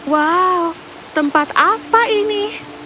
wow tempat apa ini